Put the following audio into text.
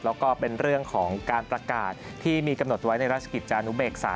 แล้วก็เป็นเรื่องของการประกาศที่มีกำหนดไว้ในราชกิจจานุเบกษา